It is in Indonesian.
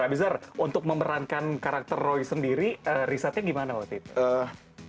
abizar untuk memerankan karakter roy sendiri risetnya gimana waktu itu